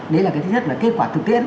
đấy là cái thứ nhất là kết quả thực tiễn